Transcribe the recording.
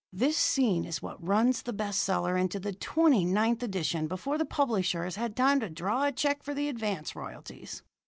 This scene is what runs the best seller into the twenty ninth edition before the publisher has had time to draw a check for the advance royalties.